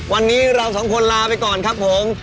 วันนี้เราสองคนลาไปก่อนครับผม